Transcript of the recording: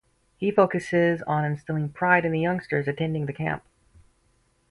He focuses on instilling pride in the youngsters attending the camp.